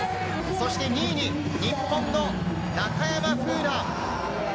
そして２位に日本の中山楓奈！